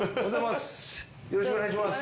よろしくお願いします。